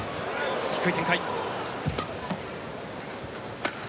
低い展開。